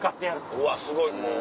うわすごいもう。